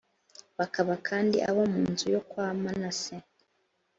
bakaba kandi abo mu nzu yo kwa manase.